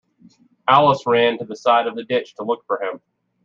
Alice ran to the side of the ditch to look for him.